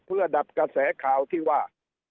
เพื่อดับกระแสข่าวที่ว่า